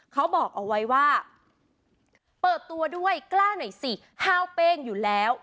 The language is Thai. เขาบอกเอาไว้ว่าเปิดตัวด้วยกล้าหน่อยสิห้าวเป้งอยู่แล้ว